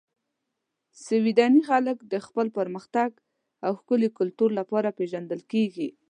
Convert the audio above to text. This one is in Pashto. سویدني خلک د خپل پرمختګ او ښکلي کلتور لپاره پېژندل کیږي.